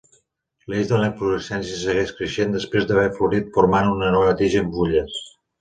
L'eix de la inflorescència segueix creixent després d'haver florit formant una nova tija amb fulles.